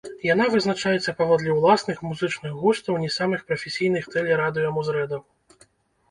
Яна вызначаецца паводле ўласных музычных густаў не самых прафесійных тэле-радыё музрэдаў.